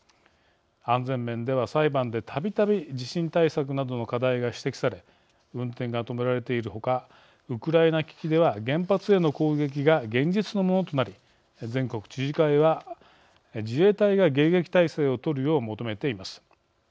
安全面では裁判で、たびたび地震対策などの課題が指摘され運転が止められているほかウクライナ危機では原発への攻撃が現実のものとなり全国知事会は自衛隊が迎撃態勢を取るよう求めています。